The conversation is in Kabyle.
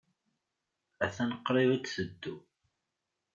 Attan qrib ad teddu.